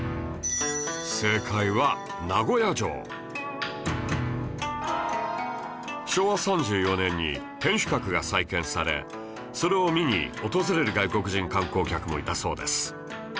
正解は昭和３４年に天守閣が再建されそれを見に訪れる外国人観光客もいたそうです